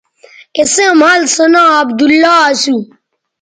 اِسئیں مَھل سو ناں عبداللہ اسو